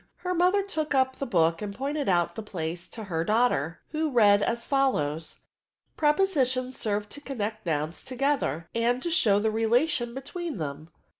^ Her mother took up the book and pointed out the place to her daughter, who read as follows :—Prepositions serve to connect nouns to gether, and to show the relation between them."